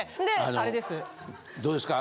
あのどうですか。